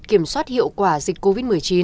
kiểm soát hiệu quả dịch covid một mươi chín